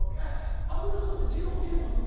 油そばって二郎系もあんの？